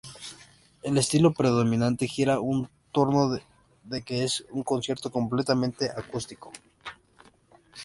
El estilo predominante gira en torno de que es un concierto completamente acústico.